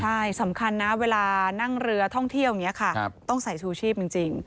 ใช่สำคัญนะเวลานั่งเรือท่องเที่ยวอย่างนี้ค่ะต้องใส่ชูชีพจริง